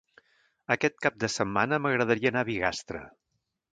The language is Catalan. Aquest cap de setmana m'agradaria anar a Bigastre.